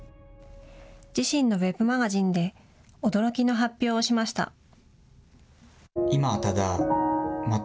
自身のウェブマガジンで驚きの発表をしました。